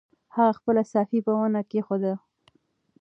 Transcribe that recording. هغه خپله صافه په ونه کې کېښوده.